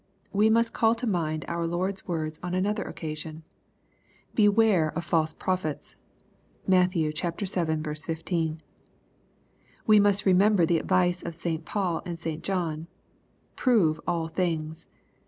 We must call to mind our Lord's words on another occasion, " Beware of false prophets." (Matt, vii. 15.) We must remember the advice of St. Paul and St. John ;" Prove all things."